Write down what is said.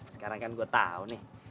sekarang kan gue tau nih